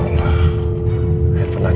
midang pasti udah mulai